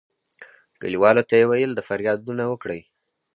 کلیوالو ته یې ویل د فریادونه وکړي.